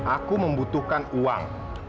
aku membutuhkan uang